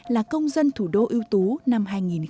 là công dân thủ đô ưu tú năm hai nghìn một mươi chín